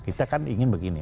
kita kan ingin begini